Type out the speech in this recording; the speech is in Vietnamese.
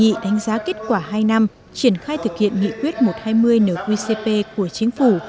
chỉ đánh giá kết quả hai năm triển khai thực hiện nghị quyết một trăm hai mươi nqcp của chính phủ